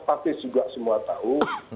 partis juga semua tahu